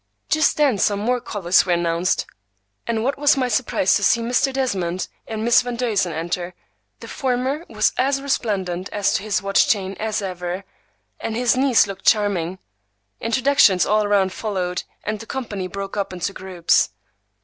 Just then some more callers were announced, and what was my surprise to see Mr. Desmond and Miss Van Duzen enter. The former was as resplendent as to his watch chain as ever, and his niece looked charming. Introductions all round followed, and the company broke up into groups.